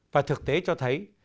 và thực tế cho thấy